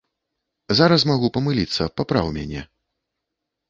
Зараз магу памыліцца, папраў мяне.